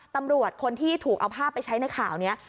ตำรวจคนที่ถูกเอาภาพไปใช้ในข่าวนี้